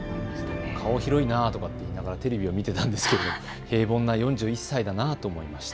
顔が広いなと思いながらテレビを見てたんですけど、平凡な４１歳だなと思いました。